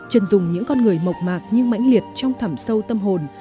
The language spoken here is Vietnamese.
trần dùng những con người mộc mạc nhưng mãnh liệt trong thẳm sâu tâm hồn